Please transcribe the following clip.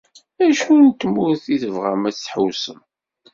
Acu n tmurt i tebɣam ad d-tḥewṣem?